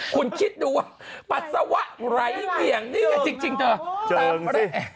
คุณคิดดูปัสสาวะไหลเวียงนี่จริงเจิงสิ